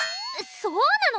そうなの？